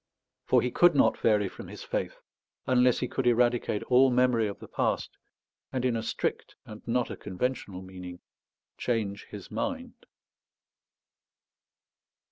For he could not vary from his faith, unless he could eradicate all memory of the past, and, in a strict and not a conventional meaning, change his mind.